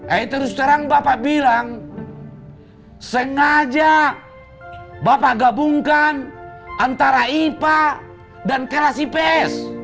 eh terus terang bapak bilang sengaja bapak gabungkan antara ipa dan kelasi pes